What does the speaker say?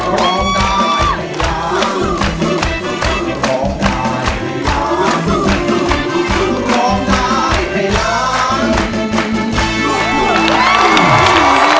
ร้องได้ครับ